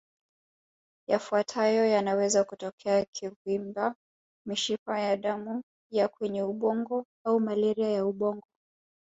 Yafuatayo yanaweza kutokea kuvimba mishipa ya damu ya kwenye ubongo au malaria ya ubongo